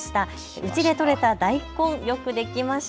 家で取れた大根、よくできました。